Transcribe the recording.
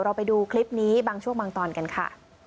ไปดูคลิปนี้บางช่วงบางตอนกันค่ะ